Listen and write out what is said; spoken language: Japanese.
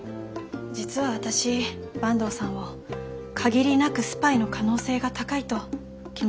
実は私坂東さんを限りなくスパイの可能性が高いと決めつけていました。